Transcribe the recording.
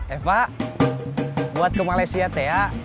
eh pak buat ke malaysia teh ya